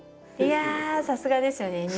いやさすがですよね